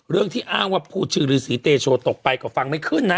เรื่องที่อ้างว่าพูดชื่อฤษีเตโชตกไปก็ฟังไม่ขึ้นนะ